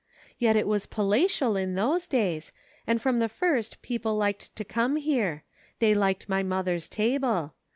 Yet it was palatial in those days, and from the first people liked to come here ; they liked my mother's table.